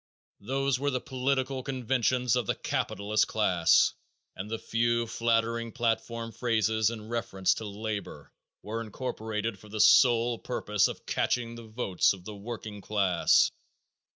Those were the political conventions of the capitalist class and the few flattering platform phrases in reference to labor were incorporated for the sole purpose of catching the votes of the working class.